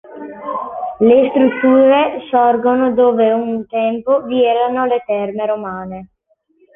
Le strutture sorgono dove un tempo vi erano le terme romane.